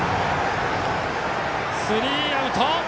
スリーアウト！